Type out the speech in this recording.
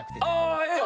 あええよ。